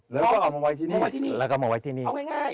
แล้วก็เอามาไว้ที่นี่เอาง่ายแล้วก็เอามาไว้ที่นี่